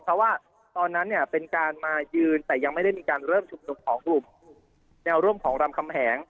เพราะว่าตอนนั้นเนี่ยเป็นการมายืนแต่ยังไม่ได้มีการเริ่มชุมนุมของกลุ่มแนวร่วมของรำคำแหง